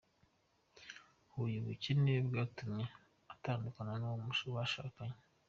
Huye Ubukene bwatumye atandukana n’uwo bashakanye